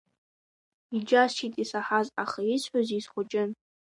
Иџьасшьеит исаҳаз, аха исҳәозеи, схәыҷын.